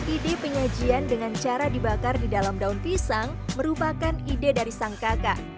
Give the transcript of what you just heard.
ide penyajian dengan cara dibakar di dalam daun pisang merupakan ide dari sang kakak